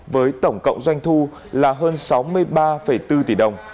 với tổng cộng doanh thu là hơn sáu mươi ba bốn tỷ đồng